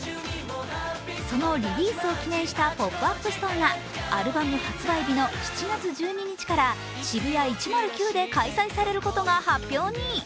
そのリリースを決めたポップアップストアがアルバム発売日の７月１２日からＳＨＩＢＵＹＡ１０９で開催されることが発表に。